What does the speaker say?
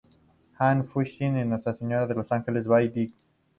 Ann, Flushing, y Nuestra Señora de los Ángeles, Bay Ridge.